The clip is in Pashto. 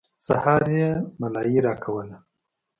سهار يې ملايي راکوله.